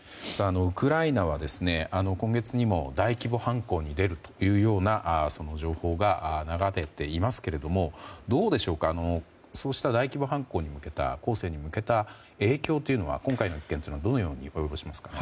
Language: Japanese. ウクライナは、今月にも大規模反攻に出るという情報が流れていますがそうした大規模攻勢に向けた影響というのは今回はどのように及ぼしますか？